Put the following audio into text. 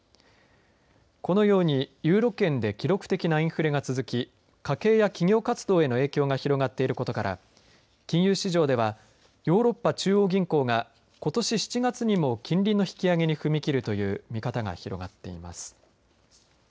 このようにユーロ圏で記録的なインフレが続き家計や企業活動への影響が広がっていることから金融市場ではヨーロッパ中央銀行がことし７月にも金利の引き上げに踏みきるという見方が広がっています。